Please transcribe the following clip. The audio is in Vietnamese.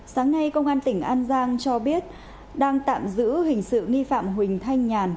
sáng nay công an tỉnh an giang cho biết đang tạm giữ hình sự nghi phạm huỳnh thanh nhàn